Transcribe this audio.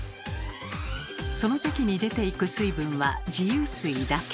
その時に出ていく水分は自由水だけ。